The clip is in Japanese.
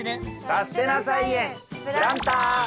「さすてな菜園プランター」！